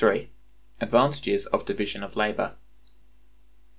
Advantages of Division of Labor.